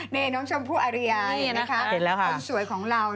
นี่น้องชมผู้อริยายนะคะคนสวยของเรานะครับ